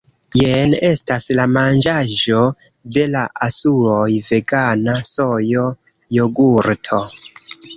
Jen estas la manĝaĵo de la asuoj vegana sojo-jogurto